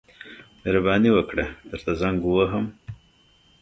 مهرباني وکړه درته زنګ ووهم.